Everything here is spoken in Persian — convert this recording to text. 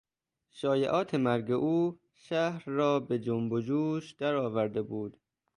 شایعات مرگ او شهر را به جنب و جوش درآورده بود.